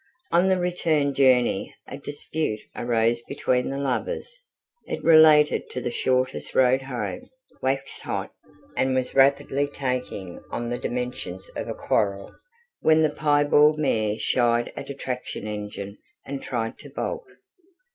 On the return journey a dispute arose between the lovers: it related to the shortest road home, waxed hot, and was rapidly taking on the dimensions of a quarrel, when the piebald mare shied at a traction engine and tried to bolt.